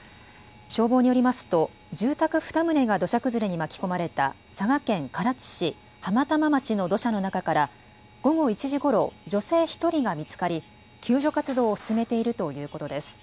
消防によりますと住宅２棟が土砂崩れに巻き込まれた佐賀県唐津市浜玉町の土砂の中から午後１時ごろ女性１人が見つかり救助活動を進めているということです。